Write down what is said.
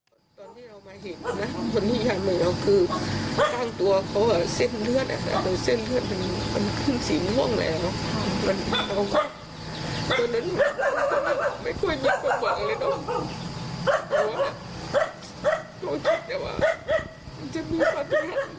แต่ตอนที่เรามาเห็นนะอาจารย์มืออยู่กล้างตัวเขาเผ่นเส้นเลือด